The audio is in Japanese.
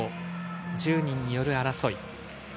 １０人による争い。